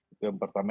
itu yang pertama